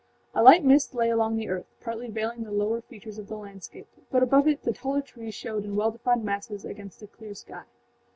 A light mist lay along the earth, partly veiling the lower features of the landscape, but above it the taller trees showed in well defined masses against a clear sky.